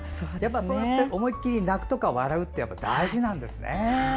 そうやって思いきり泣くとか笑うって大事なんですね。